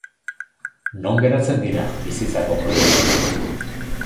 Non geratzen dira bizitzako proiektuak?